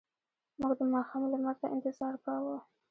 موږ د ماښام لمر ته انتظار کاوه.